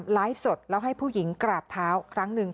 ไลฟ์สดแล้วให้ผู้หญิงกราบเท้าครั้งหนึ่ง